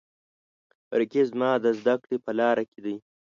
رقیب زما د زده کړې په لاره کې دی